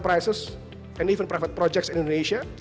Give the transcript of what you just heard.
perusahaan dan proyek pribadi di indonesia